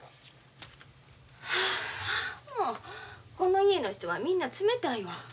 はぁもうこの家の人はみんな冷たいわ。